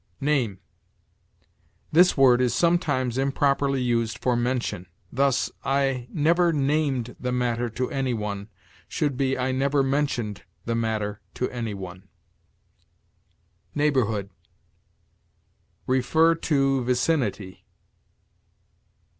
NAME. This word is sometimes improperly used for mention; thus, "I never named the matter to any one": should be, "I never mentioned the matter to any one." NEIGHBORHOOD. See VICINITY.